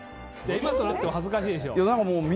今となっては恥ずかしいでしょ？